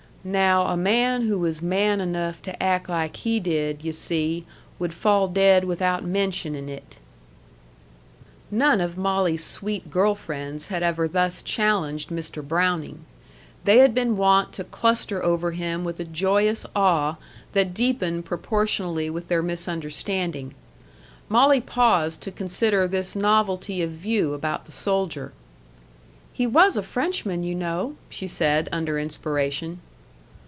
"Now a man who was man enough to act like he did, yu' see, would fall dead without mentioning it." None of Molly's sweet girl friends had ever thus challenged Mr. Browning. They had been wont to cluster over him with a joyous awe that deepened proportionally with their misunderstanding. Molly paused to consider this novelty of view about the soldier. "He was a Frenchman, you know," she said, under inspiration.